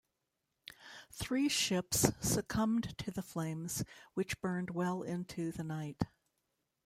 Three ships succumbed to the flames, which burned well into the night.